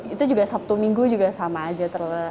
itu juga sabtu minggu juga sama aja